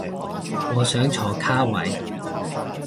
我想坐卡位